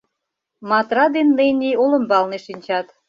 Матра ден Нени олымбалне шинчат.